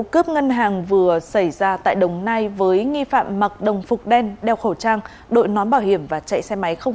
công an tỉnh đắk lắc đang tiếp tục củng cố hồ sơ